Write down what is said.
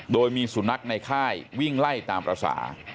โดยมีสุนัขในค่ายวิ่งไล่ตามภาษา